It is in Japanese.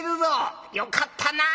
よかったなあ。